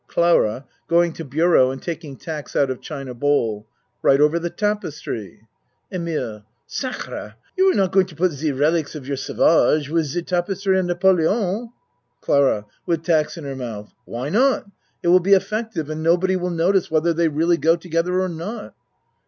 CLARA (Going to bureau and taking tacks out of china bowl.) Right over the tapestry. EMILE Sacre! You are not going to put ze relics of your savages with ze tapestry of Napoleon ! CLARA (With tacks in her mouth.) Why not? It will be effective and nobody will notice whether they really go together or not.